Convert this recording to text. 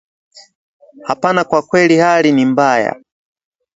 Hapana kwa kweli hali ni mbaya